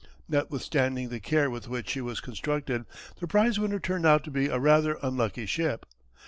Notwithstanding the care with which she was constructed the prize winner turned out to be a rather unlucky ship.